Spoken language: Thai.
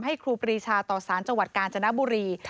ครูปรีชาต่อสารจังหวัดกาญจนบุรี